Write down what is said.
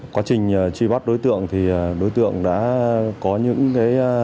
quá trình truy bắt đối tượng thì đối tượng đã có những